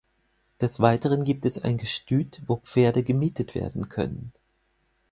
Des Weiteren gibt es ein Gestüt, wo Pferde gemietet werden können.